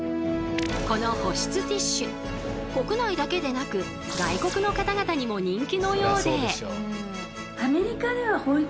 この保湿ティッシュ国内だけでなく外国の方々にも人気のようで。